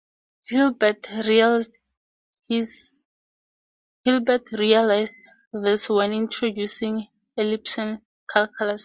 Hilbert realized this when introducing epsilon calculus.